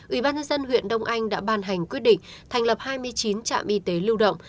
ubnd huyện đông anh đã ban hành quyết định thành lập hai mươi chín trạm y tế lưu động